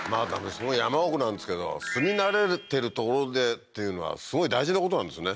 すごい山奥なんですけど住み慣れてる所でっていうのはすごい大事なことなんですね